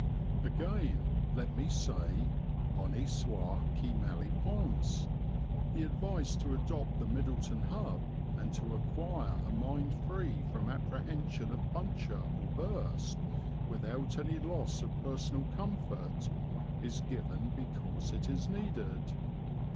Again let me say, Honi soit qui mal y pense; the advice to adopt the Middleton Hub and to acquire a mind free from apprehension of puncture or burst, without any loss of personal comfort, is given because it is needed.